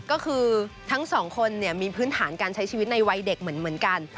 ก็คือทั้งสองคนมีพื้นฐานการใช้ชีวิตในวัยเด็กเหมือนกัน